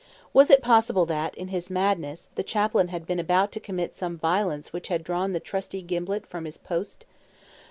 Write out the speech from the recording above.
Was it possible that, in his madness, the chaplain had been about to commit some violence which had drawn the trusty Gimblett from his post?